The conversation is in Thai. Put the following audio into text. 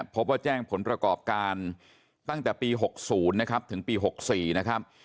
พบว่าแจ้งผลประกอบการตั้งแต่ปี๖๐นะครับถึงปี๖๔นะครับ